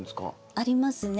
ありますね。